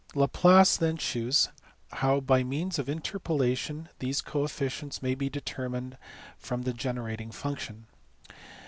Laplace then shews how by means of interpola tion these coefficients may be determined from the generating function.